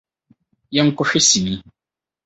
Yɛnkɔhwɛ sini